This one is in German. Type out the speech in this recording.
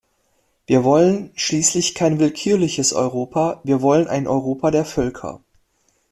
Wir wollen schließlich kein willkürliches Europa, wir wollen ein Europa der Völker.